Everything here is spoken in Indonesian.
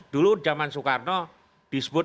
dulu zaman soekarno disebut